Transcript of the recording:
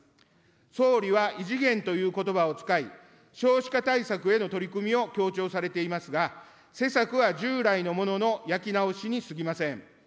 総理は異次元ということばを使い、少子化対策への取り組みを強調されていますが、施策は従来のものの焼き直しにすぎません。